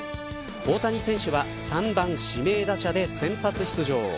大谷選手は３番指名打者で先発出場。